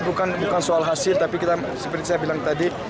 bukan soal hasil tapi kita seperti saya bilang tadi